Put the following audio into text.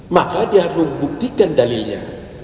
maka dia harus membuktikan dalilnya